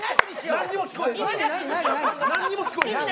何にも聞こえない！